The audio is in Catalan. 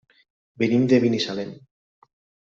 Venim de Binissalem.